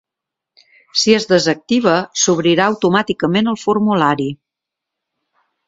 Si es desactiva, s'obrirà automàticament el formulari.